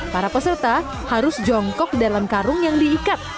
para peserta harus jongkok dalam karung yang diikat